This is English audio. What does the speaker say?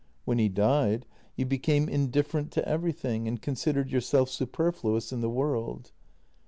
When he died you became indifferent to everything and considered your self superfluous in the world."